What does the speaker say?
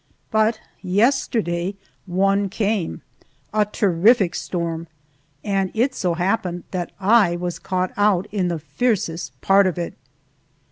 But yesterday one came a terrific storm and it so happened that I was caught out in the fiercest part of it.